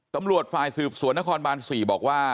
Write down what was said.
ตำรวจฝ่ายสืบสวนนครบาน๔บอกว่า